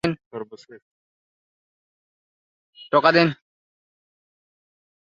Military ব্যবস্থা জোরদার করার লক্ষ্যে মিশরকে তিনি আধুনিক একটি রাষ্ট্রে পরিণত করেন।